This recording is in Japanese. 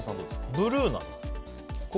ブルーなの？